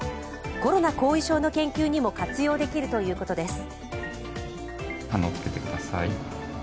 コロナ後遺症の研究にも活用できるということです。